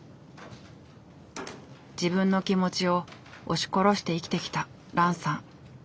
自分の気持ちを押し殺して生きてきたランさん。